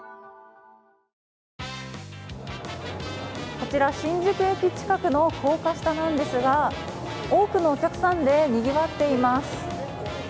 こちら新宿駅近くの高架下なんですが多くのお客さんでにぎわっています。